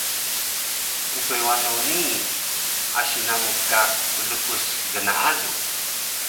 Uxe wano nii, asi namu ka plukus gnaalu